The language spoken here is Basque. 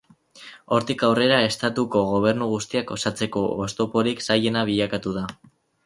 Hortik aurrera estatuko gobernu guztiak osatzeko oztoporik zailena bilakatu da.